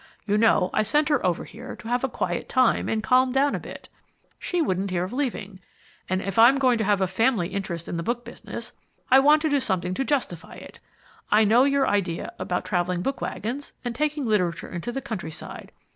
You know I sent her over here to have a quiet time and calm down a bit. But she wouldn't hear of leaving. And if I'm going to have a family interest in the book business I want to do something to justify it. I know your idea about travelling book wagons, and taking literature into the countryside.